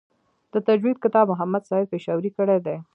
د تجوید کتابت محمد سعید پشاوری کړی دی.